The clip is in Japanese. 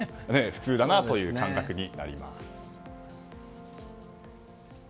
普通だなという感覚になります。